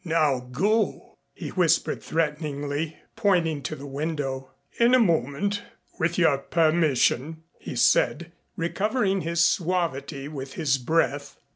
"Now go," he whispered threateningly, pointing to the window. "In a moment with your permission," he said, recovering his suavity with his breath.